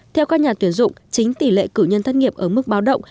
theo các nhà tuyển dụng chính tỷ lệ cử nhân thất nghiệp ở mức báo động